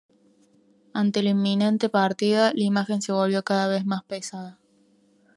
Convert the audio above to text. Ante la inminente partida, la imagen se volvió cada vez más pesada.